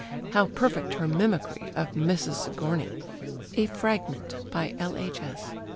How perfect her mimicry of Mrs. Sigourney! A FRAGMENT. BY L.H.S.